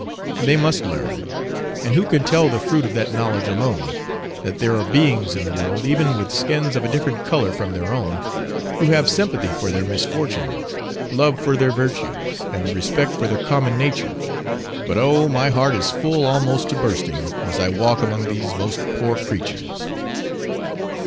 They must learn, and who can tell the fruit of that knowledge alone, that there are beings in the world, even with skins of a different colour from their own, who have sympathy for their misfortunes, love for their virtues, and respect for their common nature but oh! my heart is full almost to bursting, as I walk among these most poor creatures.